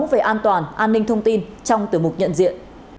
về an toàn an ninh thông tin trong tiểu mục nhận diện